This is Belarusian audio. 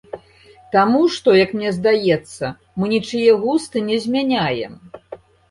Таму што, як мне здаецца, мы нічые густы не змяняем.